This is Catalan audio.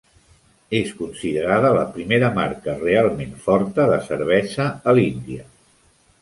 És considerada la primera marca realment forta de cervesa a l'Índia.